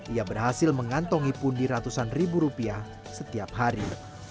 ia berhasil mengantongi pundi ratusan ribu rupiah setiap hari